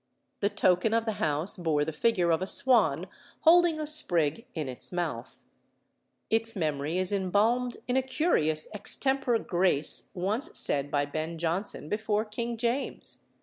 The token of the house bore the figure of a swan holding a sprig in its mouth. Its memory is embalmed in a curious extempore grace once said by Ben Jonson before King James.